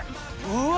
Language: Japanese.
うわ！